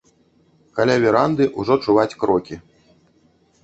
Каля веранды ўжо чуваць крокі.